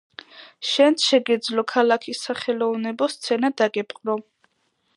შენც შეგეძლო, ქალაქის სახელოვნებო სცენა დაგეპყრო.